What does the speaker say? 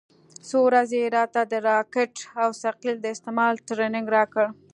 څو ورځې يې راته د راکټ او ثقيل د استعمال ټرېننگ راکړ.